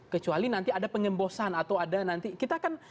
kecuali nanti ada pengembosan atau ada nanti kita akan